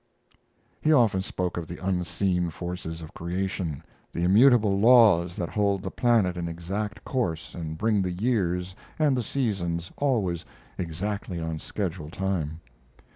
He often spoke of the unseen forces of creation, the immutable laws that hold the planet in exact course and bring the years and the seasons always exactly on schedule time.